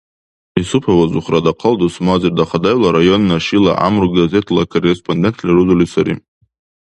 Исупанова Зугьра дахъал дусмазир Дахадаевла районна Шила гӀямру газетала корректорли рузули сари.